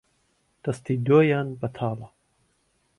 دەستی دۆیان بەتاڵە